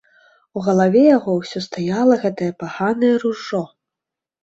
У галаве яго ўсё стаяла гэтае паганае ружжо.